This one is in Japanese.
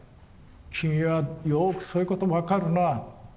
君はよくそういうことも分かるなあ。